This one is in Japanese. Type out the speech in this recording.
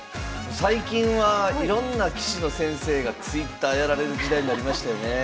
最近はいろんな棋士の先生がＴｗｉｔｔｅｒやられる時代になりましたよね。